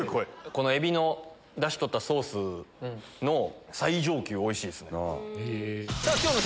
このエビのダシ取ったソースの最上級おいしいっすね。